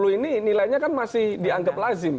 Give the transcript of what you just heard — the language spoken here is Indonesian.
tiga puluh ini nilainya kan masih dianggap lazim